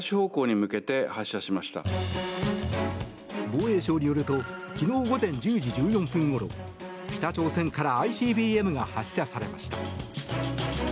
防衛省によると昨日午前１０時１４分ごろ北朝鮮からＩＣＢＭが発射されました。